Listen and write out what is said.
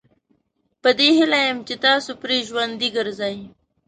په دې هیله یم چې تاسي پرې ژوندي ګرځئ.